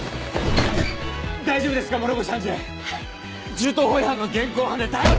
銃刀法違反の現行犯で逮捕。